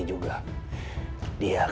itu makin kacau